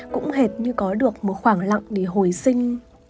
cũng hệt như có được một khoảng lặng để hồi sinh